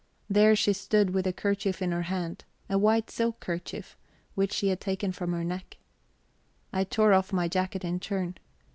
There she stood with the kerchief in her hand a white silk kerchief which she had taken from her neck. I tore off my jacket in turn.